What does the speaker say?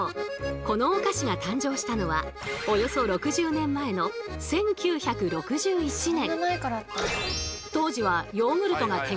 このお菓子が誕生したのはおよそ６０年前の１９６１年。